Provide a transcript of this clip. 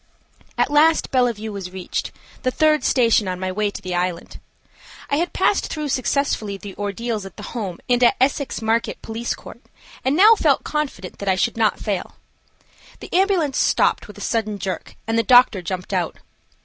AT last Bellevue was reached, the third station on my way to the island. I had passed through successfully the ordeals at the home and at Essex Market Police Court, and now felt confident that I should not fail. The ambulance stopped with a sudden jerk and the doctor jumped out.